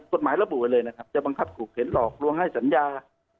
กฎหมายระบุไว้เลยนะครับจะบังคับขู่เข็นหลอกลวงให้สัญญา